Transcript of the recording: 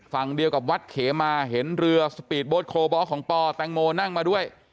ฝั่งเดียวกับวัดเขมาเห็นเรือสปีดโบ๊ทโคบอลของปอแตงโมนั่งมาด้วย